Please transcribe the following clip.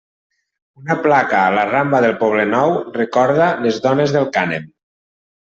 Una placa a la rambla del Poblenou recorda les dones del Cànem.